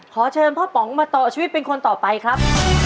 ขอเชิญพ่อป๋องมาต่อชีวิตเป็นคนต่อไปครับ